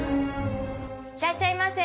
いらっしゃいませ。